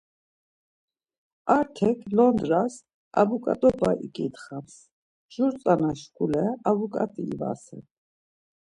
Artek Londras abuǩat̆oba iǩitxams, jur tzana şkule abuǩat̆i ivasen.